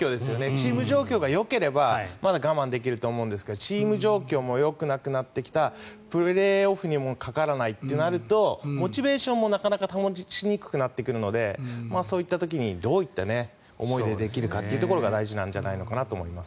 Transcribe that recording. チーム状況がよければまだ我慢できると思うんですがチーム状況もよくなくなってきたプレーオフにもかからないとなるとモチベーションもなかなか保ちにくくなってくるのでそういった時にどういった思いでできるかというのが大事なんじゃないのかなと思います。